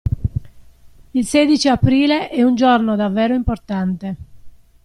Il sedici Aprile è un giorno davvero importante.